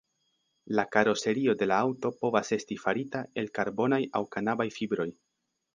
La karoserio de la aŭto povas esti farita el karbonaj aŭ kanabaj fibroj.